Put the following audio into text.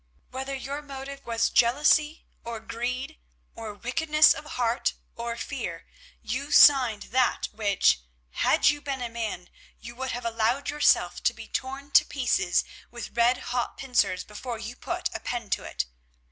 "Whether your motive was jealousy, or greed, or wickedness of heart, or fear, you signed that which, had you been a man, you would have suffered yourself to be torn to pieces with redhot pincers before you put a pen to it.